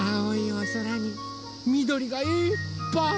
おそらにみどりがいっぱい！